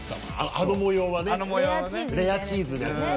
あの模様はね、レアチーズ。